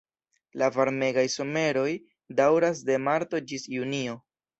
La varmegaj someroj daŭras de marto ĝis junio.